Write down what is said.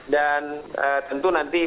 dan tentu nanti